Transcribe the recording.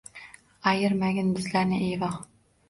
Ayirmagin bizlarni ey voh